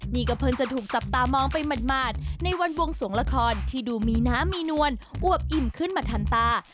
นี่ก็เพิ่งจะถูกจับตามองไปหมาดในวันวงสวงละครที่ดูมีน้ำมีนวลอวบอิ่มขึ้นมาทันตา